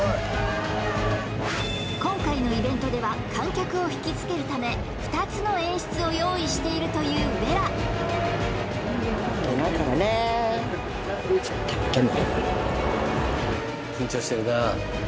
今回のイベントでは観客をひきつけるため２つの演出を用意しているというヴェラそれビール？